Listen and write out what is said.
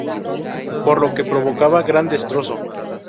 Por lo que provocaban gran destrozo.